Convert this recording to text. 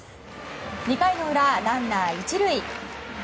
２回の裏、ランナー１塁。